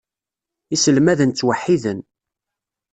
Iselmaden ttwaḥiden.